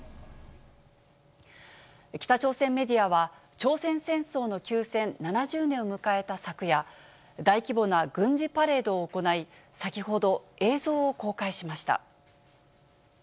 北朝鮮メディアは、朝鮮戦争の休戦７０年を迎えた昨夜、大規模な軍事パレードを行い、先ほど映像を公開しました。